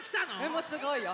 もうすごいよ！